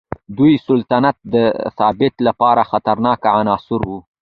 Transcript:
دوی د سلطنت د ثبات لپاره خطرناک عناصر وو.